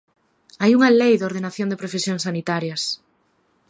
Hai unha lei de ordenación de profesións sanitarias.